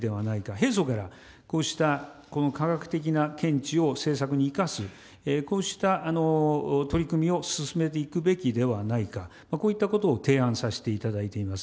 平素から、こうしたこの科学的な見地を政策に生かす、こうした取り組みを進めていくべきではないか、こういったことを提案させていただいています。